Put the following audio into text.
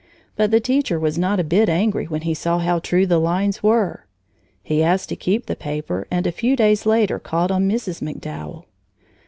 But the teacher was not a bit angry when he saw how true the lines were. He asked to keep the paper and a few days later called on Mrs. MacDowell.